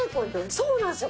そうなんすよ。